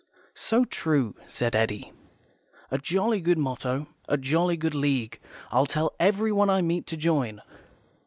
"So true," said Eddy. "A jolly good motto. A jolly good League. I'll tell everyone I meet to join."